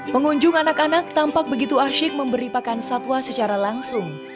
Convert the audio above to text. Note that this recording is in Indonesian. pengunjung anak anak tampak begitu asyik memberi pakan satwa secara langsung